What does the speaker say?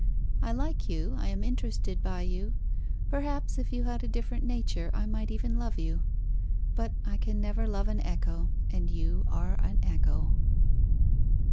I like you; I am interested by you. Perhaps if you had a different nature I might even love you. But I can never love an echo, and you are an echo."